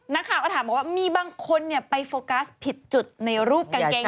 นักข่าวก็ถามว่ามีบางคนนี่ไปโฟกัสผิดจุดในรูปกางแกงหน่อยค่ะ